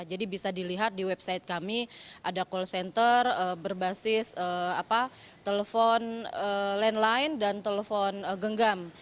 jadi bisa dilihat di website kami ada call center berbasis telepon landline dan telepon genggam